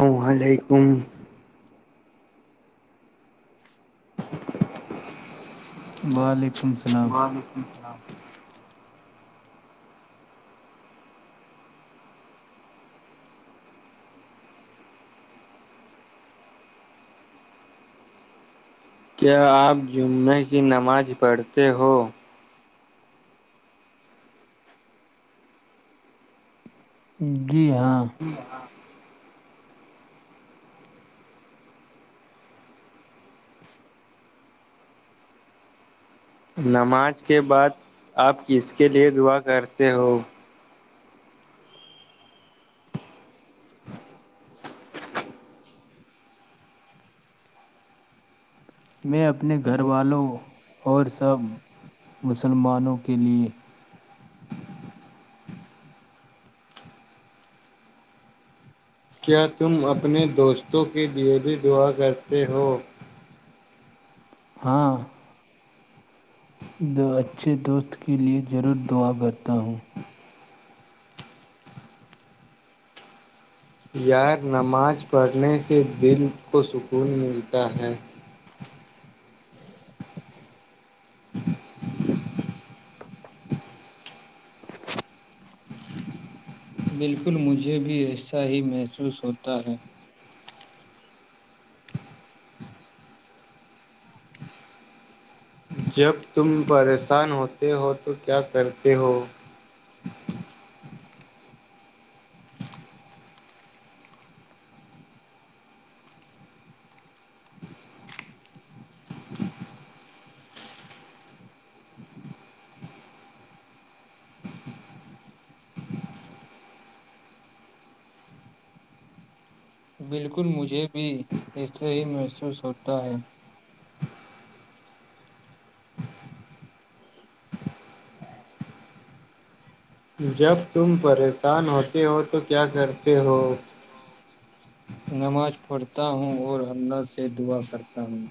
ال علیکم وعلیکم السلام وعلیکم السلام کیا آپ جمعے کی نماز پڑھتے ہو جی ہاں نماز کے بعد آپ کس کے لیے دعا کرتے ہو میں اپنے گھر والوں اور سب مسلمانوں کے لیے کیا تم اپنے دوستوں کے لیے بھی دعا کرتے ہو ہاں دو اچھے دوست کے لیے ضرور دعا کرتا ہوں یار نماز پڑھنے سے دل کو سکون ملتا ہے اچ [unintelligible] بالکل مجھے بھی ایسا ہی محسوس ہوتا ہے جب تم پریشان ہوتے ہو تو کیا کرتے ہو بالکل مجھے بھی ایسے ہی محسوس ہوتا ہے جب تم پریشان ہوتے ہو تو کیا کرتے ہو نماز پڑھتا ہوں اور حملہ سے دعا کرتا ہوں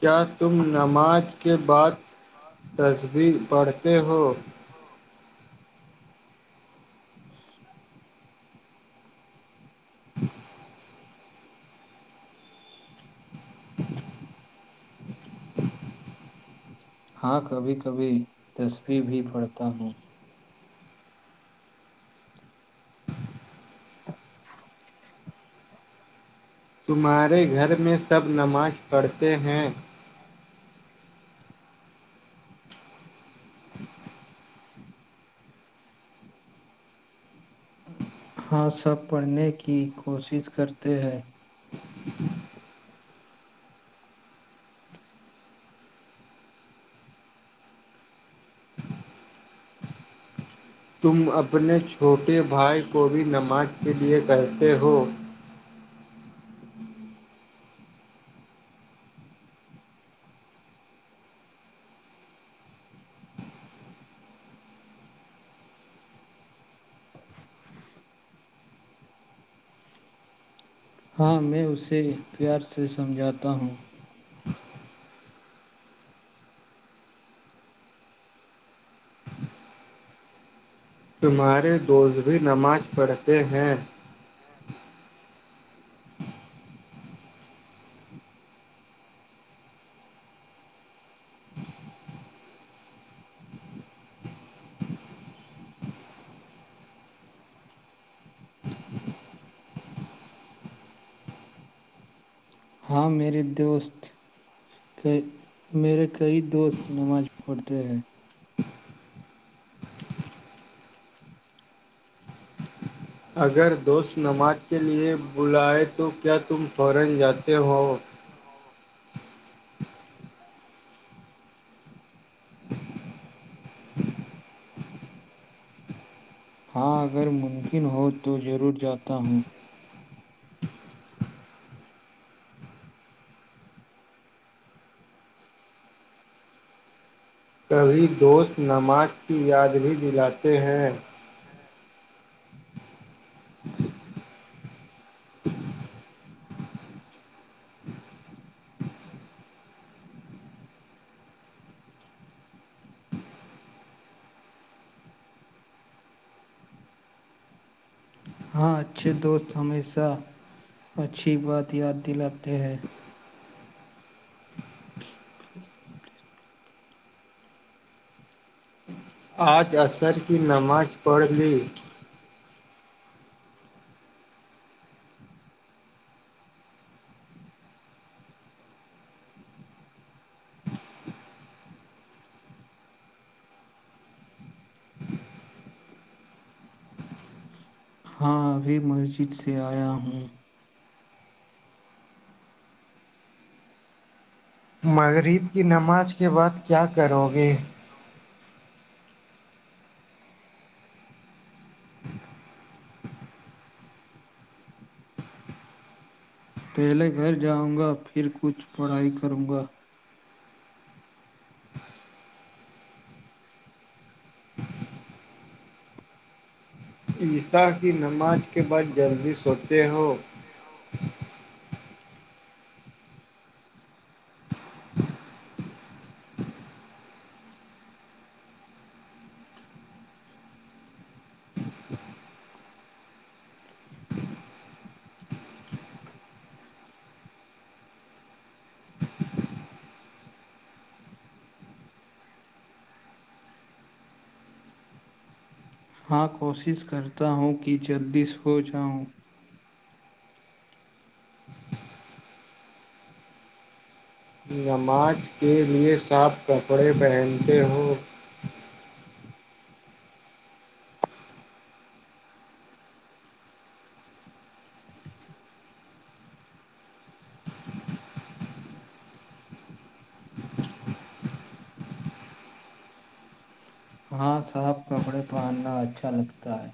کیا تم نماز کے بعد تصویر پڑھتے ہو ج [unintelligible] ہاں کبھی کبھی تصویرح بھی پڑھتا ہوں [inaudible] تمہارے گھر میں سب نماز پڑھتے ہیں ہاں سب پڑھنے کی کوشش کرتے ہیں تم اپنے چھوٹے بھائی کو بھی نماز کے لیے کہتے ہو [inaudible] ہاں میں اسے پیار سے سمجھاتا ہوں تمہارے دوست بھی نماز پڑھتے ہیں ہاں میرے دوست میرے کئی دوست نماز پڑھتے ہیں اگر دوست نماز کے لیے بلا تو کیا تم فورا جاتے ہو ا ہو ہاں اگر ممکن ہو تو ضرور جاتا ہوں کبھی دوست نماز کی یاد بھی دلاتے ہیں ہاں ہاں اچھے دوست ہمیشہ اچھی بات یاد دلاتے ہیں [inaudible] آج عصر کی نماز پڑھ لی ہاں ابھی مسجد سے آیا ہوں مغرب کی نماز کے بعد کیا کرو گے چلو پہلے گھر جاؤں گا پھر کچھ پڑھائی کروں گا عیسی کی نماز کے بعد جلوی سوتے ہو ج ہو [unintelligible] ہاں کوشش کرتا ہوں کہ جلدی سو جاؤں نماز کے لیے صاف کپڑے پہنتے ہو [inaudible] ہاں صاف کپڑے پہننا اچھا لگتا ہے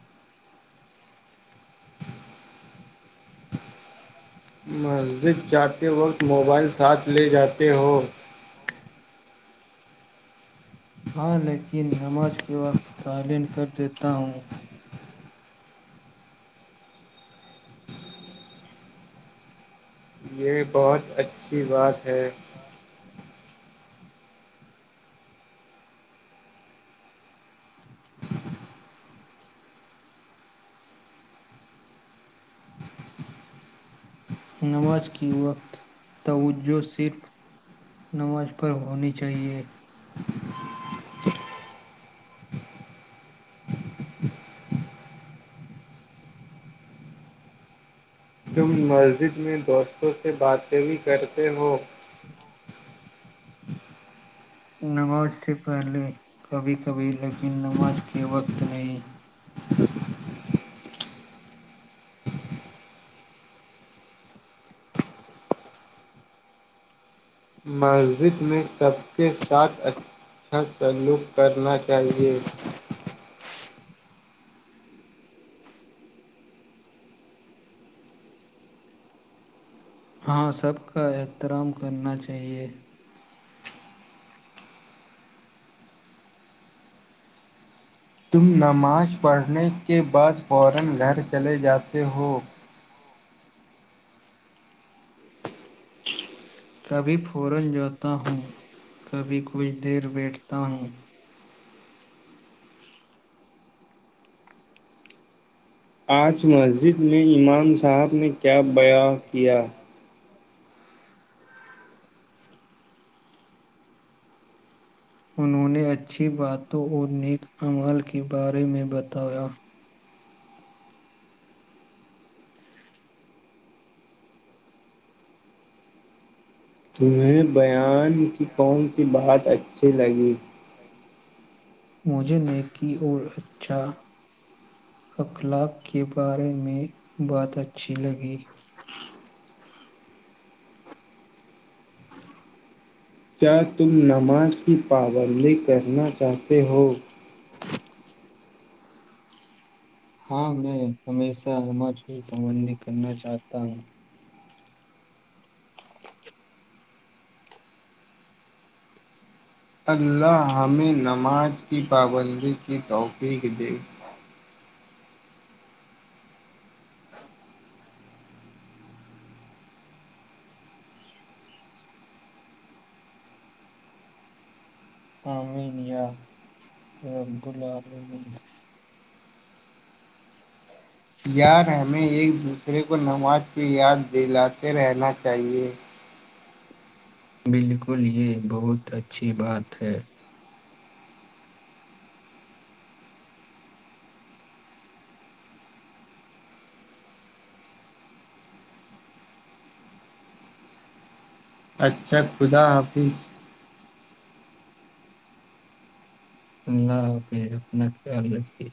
تذد جاتے وقت موبائل ساتھ لے جاتے ہو ہاں لیکن نماز کے وقت تعالین کر دیتا ہوں [inaudible] یہ بہت اچھی بات ہے تو نماز کی وقت توجہ صرف نماز پر ہونی چاہیے تم مسجد میں دوستوں بعات سے بھی بات کرتے ہو ٹھیک ہے پ ہو نماز سے پہلے کبھی کبھی لیکن نماز کے وقت نہیں مسجد میں سب کے ساتھ اچھا سلوک کرنا چاہیے ہاں سب کا احترام کرنا چاہیے تم نماز پڑھنے کے بعد فورا گھر چلے جاتے ہو کبھی فورا جاتا ہوں کبھی کچھ دیر بیٹھتا ہوں آج مسجد میں امام صاحب نے کیا بیاں کیا انہوں نے اچھی باتوں اور نیک عمل کے بارے میں بتایا تمہیں بیان کی کون سی بات اچھی لگی مجھے ن کیی اور اچھا اخلاق کے بارے میں بات اچھی لگی [inaudible] کیا تم نماز کی پابندی کرنا چاہتے ہو [inaudible] ہاں میں ہمیشہاج کی پابندی کرنا چاہتا ہوں اللہ ہمیں نماز کی پابندی کی توقیق دے [inaudible] [inaudible] یار ہمیں ایک دوسرے کو نماز کی یاد دلاتے رہنا چاہیے بالکل یہ بہت اچھی بات ہے اچھا خدا حافظ اللہ حافظ اپنا خیال رکھیے